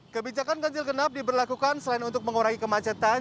kebijakan ganjil genap diberlakukan selain untuk mengurangi kemacetan